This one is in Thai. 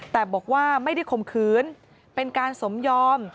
แต่บอกว่าไม่ได้ข่มขืนเป็นการสมยอม